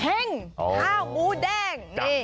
เห็งข้าวหมูแดง